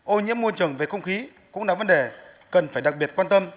ô nhiễm môi trường về không khí cũng là vấn đề cần phải đặc biệt quan tâm